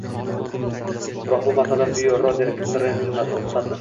biroq bu masala Byuro direktorining ruhsati